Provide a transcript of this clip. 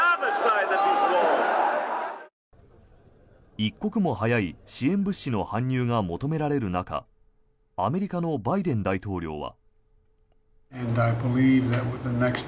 一刻も早い支援物資の搬入が求められる中アメリカのバイデン大統領は。